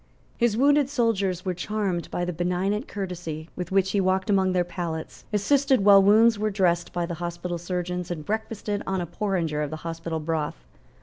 His wounded soldiers were charmed by the benignant courtesy with which he walked among their pallets, assisted while wounds were dressed by the hospital surgeons, and breakfasted on a porringer of the hospital broth.